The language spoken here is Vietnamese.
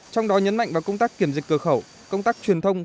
trong đó nhấn mạnh vào công tác kiểm dịch cửa khẩu công tác truyền thông